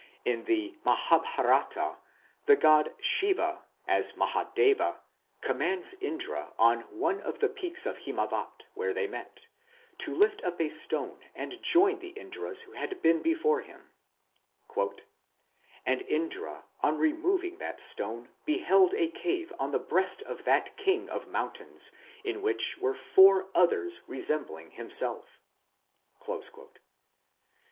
In the Mahabharata the god Shiva, as Mahadeva, commands Indra on "one of the peaks of Himavat", where they met, to lift up a stone and join the Indras who had been before him. "And Indra on removing that stone beheld a cave on the breast of that king of mountains in which were four others resembling himself."